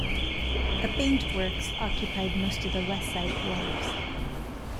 A paint works occupied most of the west side wharves.